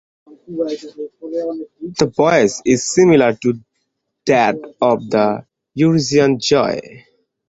The voice is similar to that of the Eurasian jay.